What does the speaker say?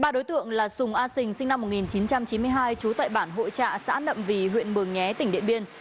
cùng a sình sinh năm một nghìn chín trăm chín mươi hai chú tại bản hội trạ xã nậm vì huyện bường nghé tỉnh điện biên